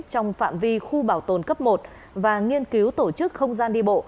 trong phạm vi khu bảo tồn cấp một và nghiên cứu tổ chức không gian đi bộ